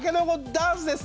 ダンスです。